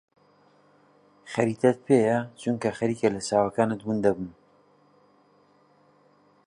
خەریتەت پێیە؟ چونکە خەریکە لە چاوەکانت ون دەبم.